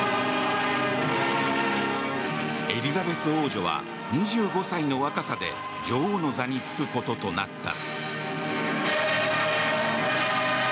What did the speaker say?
エリザベス王女は２５歳の若さで女王の座に就くこととなった。